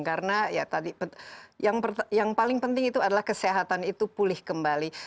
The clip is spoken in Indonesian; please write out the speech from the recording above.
karena yang paling penting itu adalah kesehatan itu pulih kembali